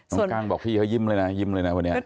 กั้งบอกพี่เขายิ้มเลยนะยิ้มเลยนะวันนี้